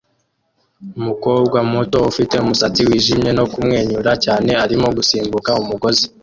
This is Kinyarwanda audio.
Umukobwa muto ufite umusatsi wijimye no kumwenyura cyane arimo gusimbuka umugozi